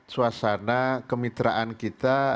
suasana kemitraan kita